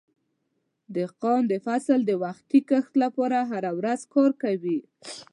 دهقان د فصل د وختي کښت لپاره هره ورځ کار کوي.